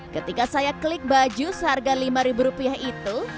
ketika saya klik baju seharga lima ribu rupiah itu